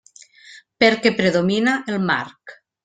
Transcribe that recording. Perquè predomina el marc.